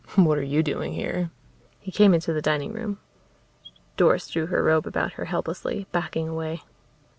"What are you doing here?" He came into the dining room. Doris drew her robe about her helplessly, backing away.